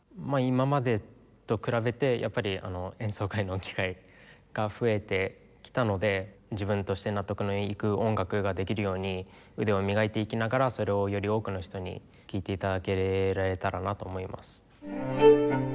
今までと比べてやっぱり演奏会の機会が増えてきたので自分として納得のいく音楽ができるように腕を磨いていきながらそれをより多くの人に聴いて頂けたらなと思います。